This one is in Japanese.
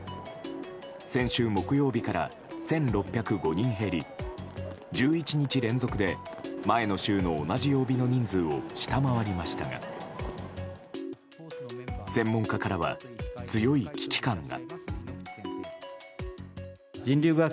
先週木曜日から１６０５人減り１１日連続で前の週の同じ曜日の人数を下回りましたが専門家からは強い危機感が。